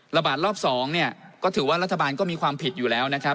ระบาดรอบ๒เนี่ยก็ถือว่ารัฐบาลก็มีความผิดอยู่แล้วนะครับ